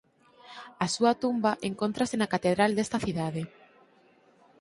A súa tumba encóntrase na catedral desta cidade.